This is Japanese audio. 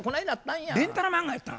レンタル漫画やったん？